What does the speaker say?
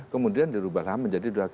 kemudian dirubahlah menjadi dua